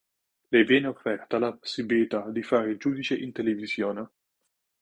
Le viene offerta la possibilità di fare il giudice in televisione.